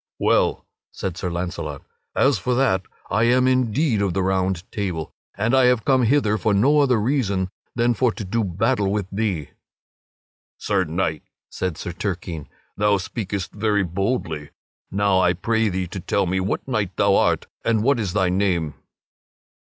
"Well," said Sir Launcelot, "as for that, I am indeed of the Round Table, and I have come hither for no other reason than for to do battle with thee." "Sir Knight," said Sir Turquine, "thou speakest very boldly; now I pray thee to tell me what knight thou art and what is thy name."